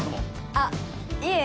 あっいえ